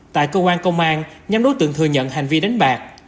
tại cơ quan công an nhắm đối tượng thừa nhận hành vi đánh bạc